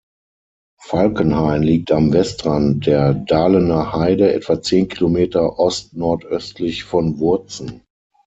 Falkenhain liegt am Westrand der Dahlener Heide, etwa zehn Kilometer ost-nordöstlich von Wurzen.